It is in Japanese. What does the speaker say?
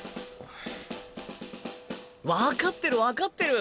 わかってるわかってる。